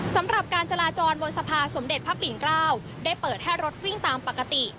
สำหรับการจราจรบนสะพานสมเด็จพระปิ่นเกล้าได้เปิดให้รถวิ่งตามปกติ